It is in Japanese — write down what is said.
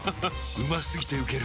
うま過ぎてウケる